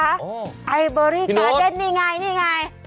ไอเบอรี่กาเดนนี่ไงนี่ไง